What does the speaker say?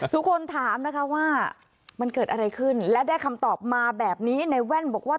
ทุกคนถามนะคะว่ามันเกิดอะไรขึ้นและได้คำตอบมาแบบนี้ในแว่นบอกว่า